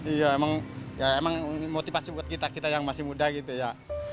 iya emang ya emang motivasi buat kita kita yang masih muda gitu ya